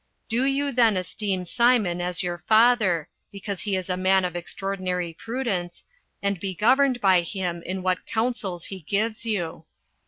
Do you then esteem Simon as your father, because he is a man of extraordinary prudence, and be governed by him in what counsels be gives you.